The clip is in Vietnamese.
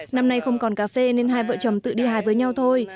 năm nay không còn cà phê nên hai vợ chồng tự đi hài với nhau thôi